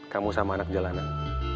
kamu sama anak jalanan